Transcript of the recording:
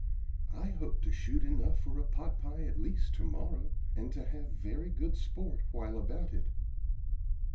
I hope to shoot enough for a pot pie at least to morrow, and to have very good sport while about it."